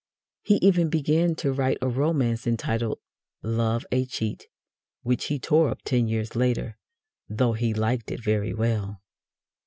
He even began to write a romance entitled Love a Cheate, which he tore up ten years later, though he "liked it very well."